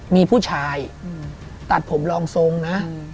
มีผู้ชายตัดผมรองทรงนะ